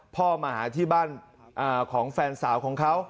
พ่อมาหาที่บ้านของแฟนสาวของเขา